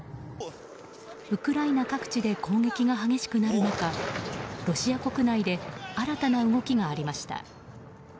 ウクライナ各地で攻撃が激しくなる中ロシア国内で新たな動きがありました。